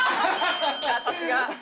さすが。